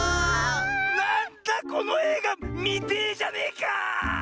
なんだこのえいがみてえじゃねえか！